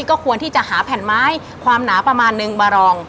ก็ควรที่จะหาแผ่นไม้ความหนาประมาณนึงมารอง